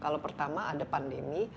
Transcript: kalau pertama ada pandemi